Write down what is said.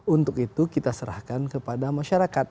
untuk itu kita serahkan kepada masyarakat